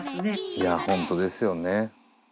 いやほんとですよね。